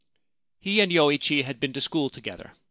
He and Yoichi had been to school together.